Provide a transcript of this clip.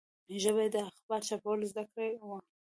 ژبه یې د اخبار چاپول زده کړي وو.